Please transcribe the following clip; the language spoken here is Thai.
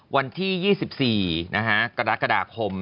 วันที่๒๔จคม